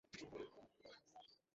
নিশ্চয়ই চারদিকে অনেক ইঁদুর আছে!